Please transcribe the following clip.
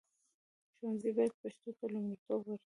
ښوونځي باید پښتو ته لومړیتوب ورکړي.